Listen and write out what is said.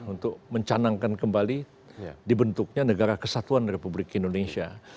untuk mencanangkan kembali dibentuknya negara kesatuan republik indonesia